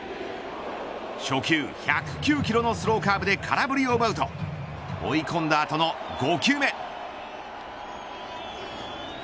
初球、１０９キロのスローカーブで空振りを奪うと追い込んだ後の５球目。